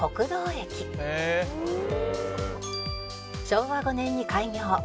「昭和５年に開業」